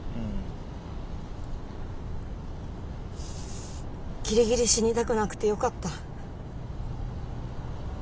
ギリギリ死にたくなくてよかった。